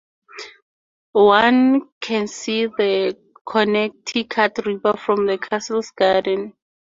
One can see the Connecticut River from the castle's garden.